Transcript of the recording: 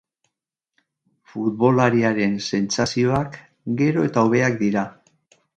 Futbolariaren sentsazioak gero eta hobeak dira.